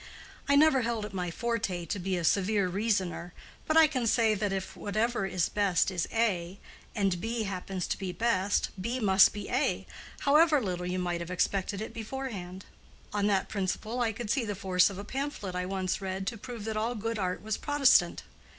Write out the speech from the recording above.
I never held it my forte to be a severe reasoner, but I can see that if whatever is best is A, and B happens to be best, B must be A, however little you might have expected it beforehand. On that principle I could see the force of a pamphlet I once read to prove that all good art was Protestant.